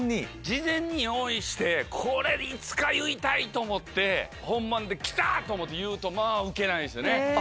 事前に用意してこれいつか言いたい！と思って本番で来た！と思って言うとまぁウケないんですよね。